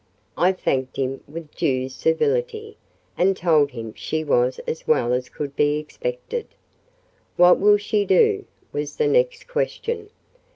I thanked him with due civility, and told him she was as well as could be expected. "What will she do?" was the next question.